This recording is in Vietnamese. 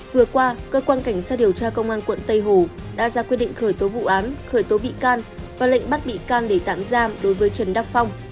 vừa qua cơ quan cảnh sát điều tra công an quận tây hồ đã ra quyết định khởi tố vụ án khởi tố bị can và lệnh bắt bị can để tạm giam đối với trần đắc phong